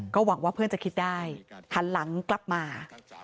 หวังว่าเพื่อนจะคิดได้หันหลังกลับมา